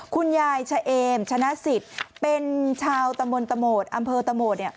คุณยายเฉเอมชนะสิทธิ์เป็นชาวตำบลตะโหมดอำเภอตะโหมด